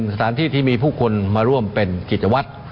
สถานที่ที่มีผู้คนมาร่วมเป็นกิจวัตร